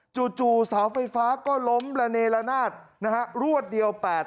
จู่เสาไฟฟ้าก็ล้มระเนละนาดนะฮะรวดเดียว๘๐